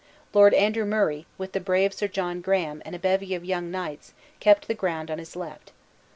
Lord Andrew Murray, with the brave Sir John Graham, and a bevy of young knights, kept the ground on his left.